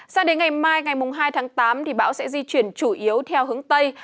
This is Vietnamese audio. sao đến ngày mai ngày hai tháng tám bão sẽ di chuyển chủ yếu theo hướng tây